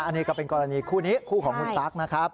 อันนี้ก็เป็นกรณีคู่นี้คู่ของคุณตั๊กนะครับ